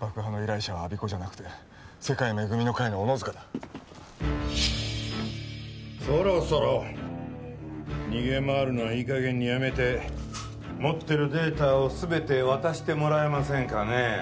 爆破の依頼者は我孫子じゃなくて世界恵みの会の小野塚だそろそろ逃げ回るのはいい加減にやめて持ってるデータを全て渡してもらえませんかね